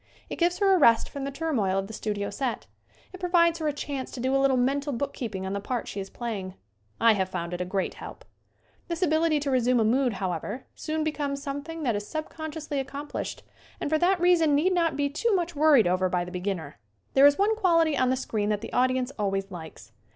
It gives her a rest from the turmoil of the studio set. It provides her a chance to do a little mental bookkeeping on the part she is playing. I have found it a great help. This ability to resume a mood, however, soon becomes something that is subconsciously accomplished and for that reason need not be too much worried over by the beginner. There is one quality on the screen that the audience always likes.